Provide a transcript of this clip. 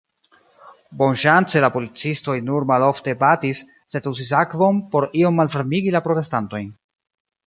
Bonŝance la policistoj nur malofte batis, sed uzis akvon, por iom malvarmigi la protestantojn.